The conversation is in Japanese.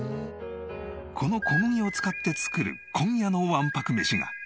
この小麦を使って作る今夜の１泊メシが。